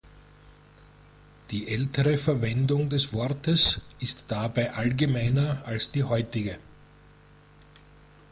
Die ältere Verwendung des Wortes ist dabei allgemeiner als die heutige.